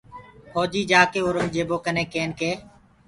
ڦوجيٚ جآڪي اورنٚگجيبو ڪين ڪي